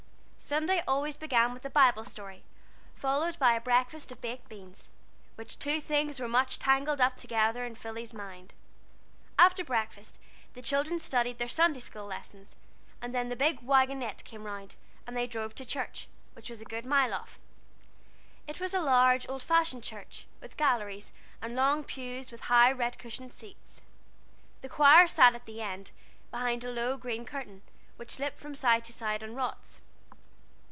Sunday always began with a Bible story, followed by a breakfast of baked beans, which two things were much tangled up together in Philly's mind. After breakfast the children studied their Sunday school lessons, and then the big carryall came round, and they drove to church, which was a good mile off. It was a large, old fashioned church, with galleries, and long pews with high red cushioned seats. The choir sat at the end, behind a low, green curtain, which slipped from side to side on rods.